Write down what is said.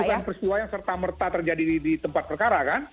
jadi bukan persiwa yang serta merta terjadi di tempat perkara kan